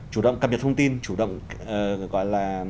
chủ động gọi là